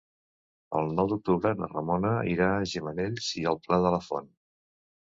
El nou d'octubre na Ramona irà a Gimenells i el Pla de la Font.